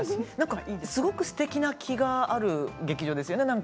すごくすてきな気がある劇場ですよね。